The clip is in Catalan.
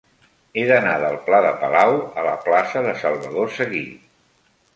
He d'anar del pla de Palau a la plaça de Salvador Seguí.